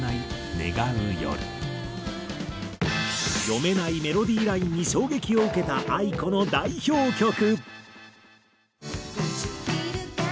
読めないメロディーラインに衝撃を受けたａｉｋｏの代表曲。